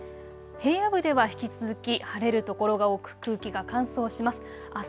平野部では引き続き晴れる所が多く、空気が乾燥します。